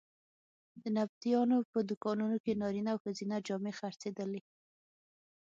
د نبطیانو په دوکانونو کې نارینه او ښځینه جامې خرڅېدلې.